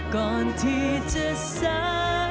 ก่อนที่จะสา